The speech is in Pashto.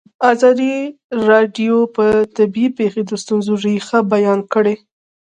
ازادي راډیو د طبیعي پېښې د ستونزو رېښه بیان کړې.